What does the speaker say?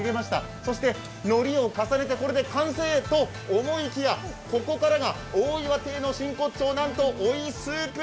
そして、のりを重ねて、これで完成と思いきや、ここからが大岩亭の真骨頂なんと追いスープ！